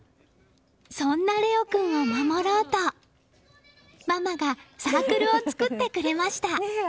そんな玲於君を守ろうと、ママがサークルを作ってくれました。